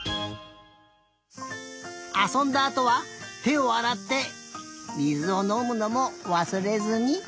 あそんだあとはてをあらってみずをのむのもわすれずに。